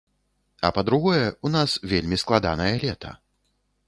А па-другое, у нас вельмі складанае лета.